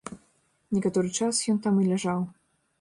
Некаторы час ён там і ляжаў.